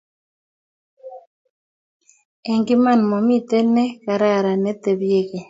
eng' iman mamito ne kararan ne tebie keny